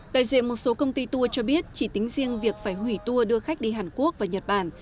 đại diện một số công ty tour cho biết chỉ tính riêng việc phải hủy tour đưa khách đi hàn quốc và nhật bản